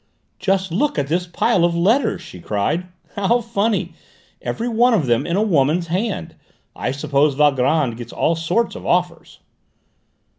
"Just look at this pile of letters!" she cried. "How funny! Every one of them in a woman's hand! I suppose Valgrand gets all sorts of offers?"